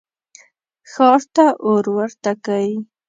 ښار ته اور ورته کئ.